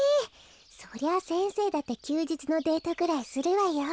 そりゃ先生だってきゅうじつのデートぐらいするわよ。